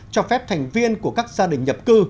cho phép thành viên của các gia đình nhập cư